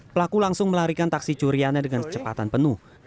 pelaku langsung melarikan taksi curiannya dengan kecepatan penuh